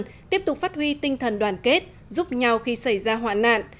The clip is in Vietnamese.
gọi các ngư dân tiếp tục phát huy tinh thần đoàn kết giúp nhau khi xảy ra hoạn nạn